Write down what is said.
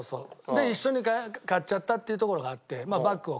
で一緒に買っちゃったっていうところがあって。